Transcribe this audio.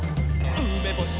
「うめぼし！」